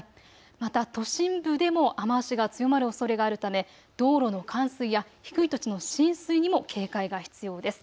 また都心部でも雨足が強まるおそれがあるため道路の冠水や低い土地の浸水にも警戒が必要です。